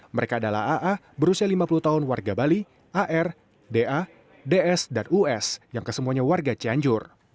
mereka adalah aa berusia lima puluh tahun warga bali ar da ds dan us yang kesemuanya warga cianjur